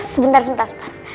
sebentar sebentar sebentar